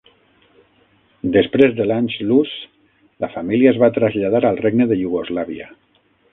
Després de l'"Anschluss", la família es va traslladar al Regne de Iugoslàvia.